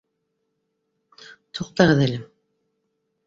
Туҡтағыҙ әле!